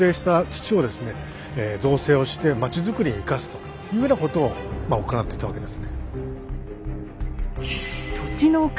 というふうなことを行ってたわけですね。